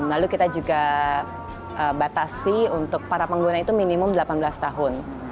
lalu kita juga batasi untuk para pengguna itu minimum delapan belas tahun